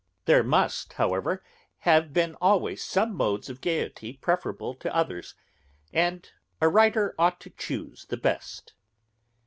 There must, however, have been always some modes of gayety preferable to others, and a writer ought to chuse the best.